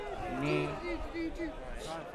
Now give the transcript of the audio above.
میں